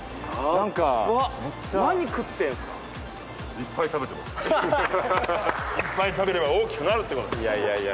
いっぱい食べれば大きくなるってことだ。